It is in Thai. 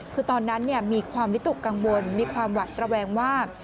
คือตอนนั้นมีความวิตกกังวลมีความหวัดระแวงว่า